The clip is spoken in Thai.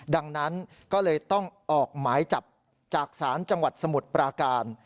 ดังนั้นก็เลยต้องออกหมายจับจากศาลจังหวัดสมุทรปราการ